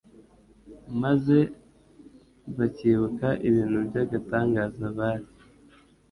maze bakibuka ibintu by'agatangaza bari